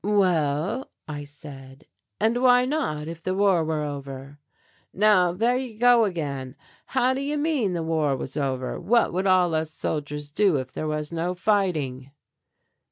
"Well," I said, "and why not, if the war were over?" "Now there you go again how do you mean the war was over, what would all us soldiers do if there was no fighting?"